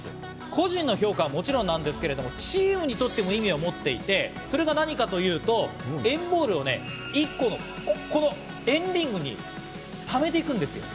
個人の評価はもちろんなんですけれども、チームにとっても意味を持っていて、それが何かというと＆ＢＡＬＬをね、この＆ＲＩＮＧに貯めていくんです。